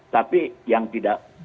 tapi yang tidak bisa diselesaikan